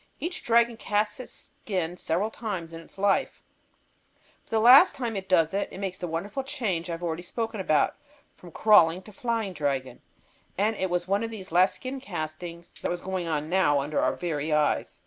Each dragon casts its skin several times in its life, but the last time it does it, it makes the wonderful change I've already spoken about, from crawling to flying dragon. And it was one of these last skin castings that was going on now under our very eyes.